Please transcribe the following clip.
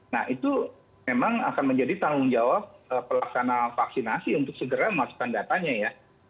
nah itu memang akan menjadi tanggung jawab pelaksana vaksinasi untuk segera memasukkan datanya ya